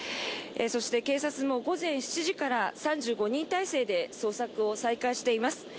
そして、警察も午前７時から３５人態勢で捜索を再開しています。